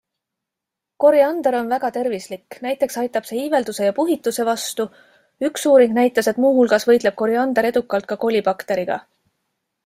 Koriander on väga tervislik, näiteks aitab see iivelduse ja puhituse vastu, üks uuring näitas, et muuhulgas võitleb koriander edukalt ka kolibakteriga.